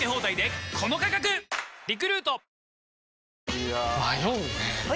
いや迷うねはい！